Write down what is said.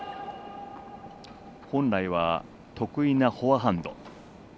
本来は得意なフォアハンド。